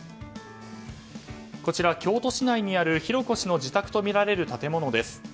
こちら、京都市内にある浩子氏の自宅とみられる建物です。